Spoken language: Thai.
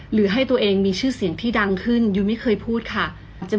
หรือให้ตัวเองมีชื่อเสียงที่ดังขึ้นยุ้ยไม่เคยพูดค่ะ